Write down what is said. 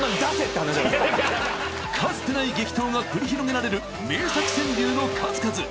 ［かつてない激闘が繰り広げられる名作川柳の数々］